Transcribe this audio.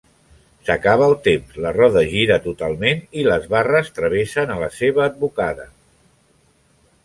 S'acaba el temps, la roda gira totalment i les barres travessen a la seva advocada.